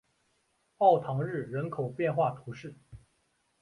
奥唐日人口变化图示